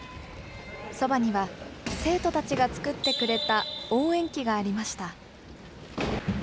そばには生徒たちが作ってくれた応援旗がありました。